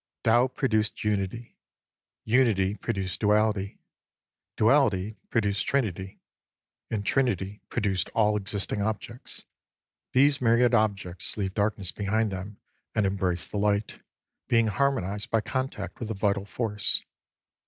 Tao produced Unity ; Unity produced Duality ; Duality produced Trinity ; and Trinity produced all existing objects. These myriad objects leave darkness behind^ them and embrace the light, being harmonised by contact with the Vital Force.